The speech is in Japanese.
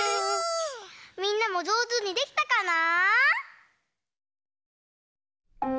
みんなもじょうずにできたかな？